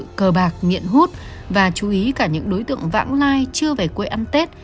các cờ bạc nghiện hút và chú ý cả những đối tượng vãng lai chưa về quê ăn tết